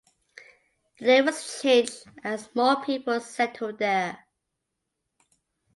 The name was changed as more people settled there.